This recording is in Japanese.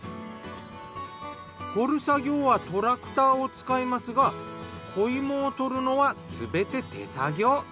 掘る作業はトラクターを使いますが子芋を取るのはすべて手作業。